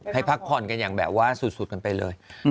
พักผ่อนกันอย่างแบบว่าสุดกันไปเลย